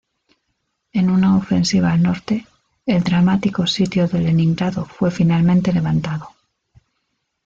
En una ofensiva al norte, el dramático sitio de Leningrado fue finalmente levantado.